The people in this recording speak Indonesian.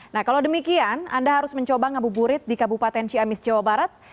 nah kalau demikian anda harus mencoba ngabuburit di kabupaten ciamis jawa barat